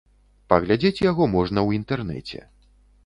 Паглядзець яго можна ў інтэрнэце.